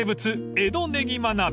江戸ねぎま鍋］